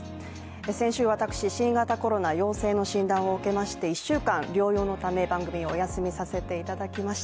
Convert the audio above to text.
先週私、新型コロナ陽性の診断を受けまして１週間、療養のため、番組をお休みさせていただきました。